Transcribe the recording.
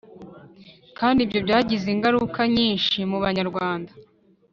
kandi ibyo byagize ingaruka nyinshi mu banyarwanda.